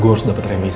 gue harus dapat remisi